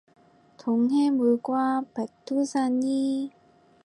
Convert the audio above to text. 동해 물과 백두산이